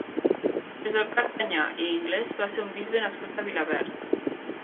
Josep Cartañà i Inglés va ser un bisbe nascut a Vilaverd.